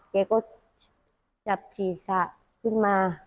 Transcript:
เขาก็จับสีสะขึ้นมา